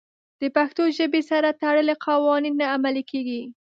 د پښتو ژبې سره تړلي قوانین نه عملي کېږي.